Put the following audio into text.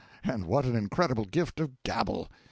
and what an incredible gift of gabble!